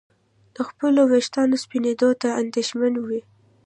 د خپلو ویښتانو سپینېدو ته اندېښمن وي.